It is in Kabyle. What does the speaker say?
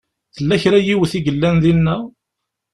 Tella kra n yiwet i yellan dinna?